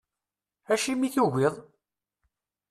Acimi i tugiḍ?